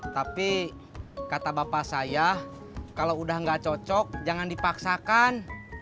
tapi kata bapak saya kalau udah nggak cocok jangan dipaksakan